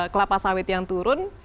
kelapa sawit yang turun